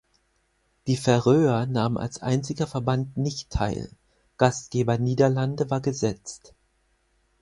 Die Färöer nahmen als einziger Verband nicht teil, Gastgeber Niederlande war gesetzt.